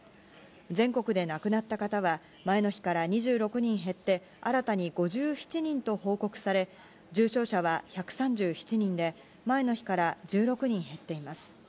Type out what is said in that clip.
全国で亡くなった方は、前の日から２６人減って、新たに５７人と報告され、重症者は１３７人で、前の日から１６人減っています。